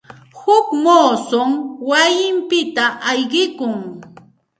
Huk muusum wayinpita ayqikun.